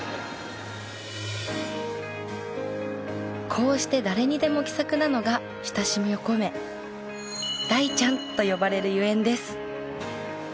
こうして誰にでも気さくなのが親しみを込め「大ちゃん」と呼ばれるゆえんです。